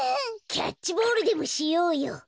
キャッチボールでもしようよ！